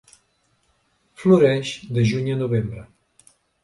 Floreix de juny a novembre.